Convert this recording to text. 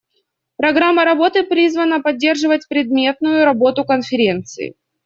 Программа работы призвана поддерживать предметную работу Конференции.